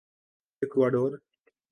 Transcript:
Ecuador